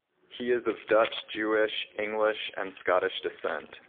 He is of Dutch-Jewish, English, and Scottish descent.